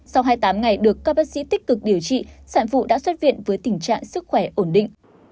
sau hai mươi tám ngày được các bác sĩ tích cực điều trị sản phụ đã xuất viện với tình trạng sức khỏe ổn định